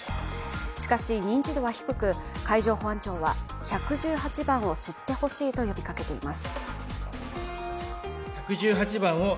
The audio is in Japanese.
しかし、認知度は低く海上保安庁は１１８番を知ってほしいと呼びかけています。